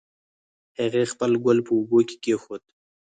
هغې خپل ګل په اوبو کې کېښود